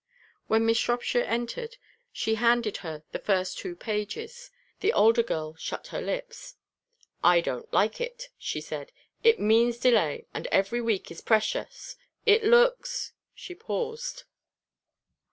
When Miss Shropshire entered, she handed her the first two pages. The older girl shut her lips. "I don't like it," she said. "It means delay, and every week is precious. It looks " She paused.